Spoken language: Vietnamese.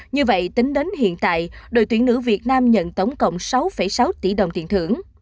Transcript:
như vậy tính đến hiện tại đội tuyển nữ việt nam nhận tổng cộng sáu sáu tỷ đồng tiền thưởng